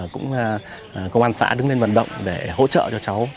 cũng công an xã đứng lên vận động để hỗ trợ cho cháu